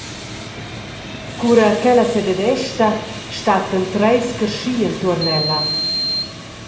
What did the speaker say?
Cura ch’ella sededesta, stattan treis carschi entuorn ella.